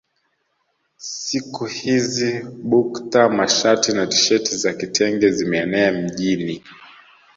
Siku hizi bukta mashati na tisheti za kitenge zimeenea mjini